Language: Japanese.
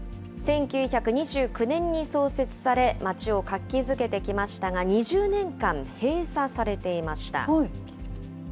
１９２９年に創設され、街を活気づけてきましたが、２０年間閉鎖されていました。